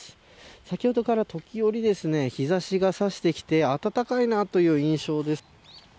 先ほどから時折日差しが差してきて暖かいなという印象です。